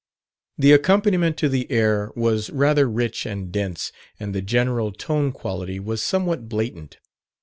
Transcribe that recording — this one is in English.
The accompaniment to the air was rather rich and dense, and the general tone quality was somewhat blatant.